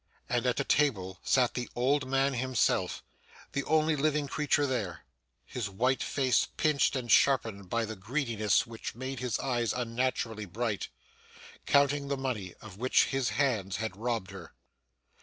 And at a table sat the old man himself; the only living creature there; his white face pinched and sharpened by the greediness which made his eyes unnaturally bright counting the money of which his hands had robbed her.